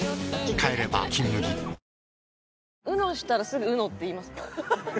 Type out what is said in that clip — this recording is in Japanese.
帰れば「金麦」『ＵＮＯ』したらすぐＵＮＯって言いますか？